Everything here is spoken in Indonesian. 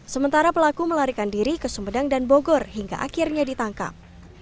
sementara pelaku melarikan diri ke sumedang dan bogor hingga akhirnya ditangkap